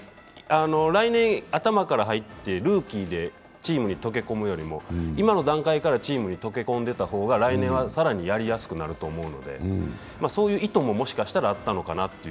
来年頭から入ってルーキーでチームに溶け込むよりも今の段階からチームに溶け込んでいたほうが、来年は更にやりやすくなるので、そういう意図ももしかしたらあったのかなという。